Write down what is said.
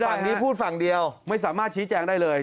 ฝั่งนี้พูดฝั่งเดียวไม่สามารถชี้แจงได้เลย